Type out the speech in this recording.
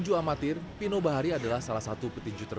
supaya saya bisa mengalahkan lawan saya di final